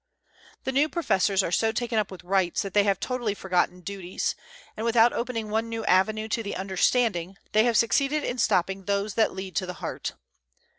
The new professors are so taken up with rights that they have totally forgotten duties; and without opening one new avenue to the understanding, they have succeeded in stopping those that lead to the heart.